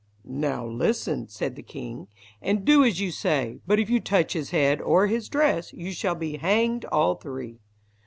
"Now listen," said the king, "and do as you say; but if you touch his head, or his dress, you shall be hanged all three."